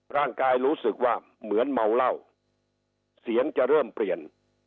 รู้สึกว่าเหมือนเมาเหล้าเสียงจะเริ่มเปลี่ยน